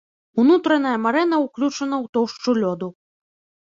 Унутраная марэна ўключана ў тоўшчу лёду.